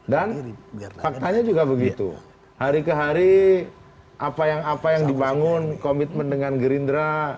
dan faktanya juga begitu hari ke hari apa yang dibangun komitmen dengan gerindra